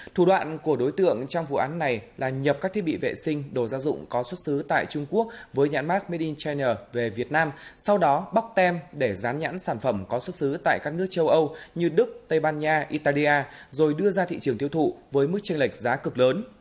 thủ đoạn của đối tượng trong vụ án này là nhập các thiết bị vệ sinh đồ gia dụng có xuất xứ tại trung quốc với nhãn mát made in china về việt nam sau đó bóc tem để rán nhãn sản phẩm có xuất xứ tại các nước châu âu như đức tây ban nha italia rồi đưa ra thị trường tiêu thụ với mức tranh lệch giá cực lớn